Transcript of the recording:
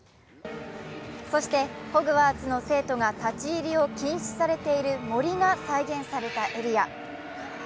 そして、ホグワーツの生徒が立ち入りを禁止されている森が再現されたエリア。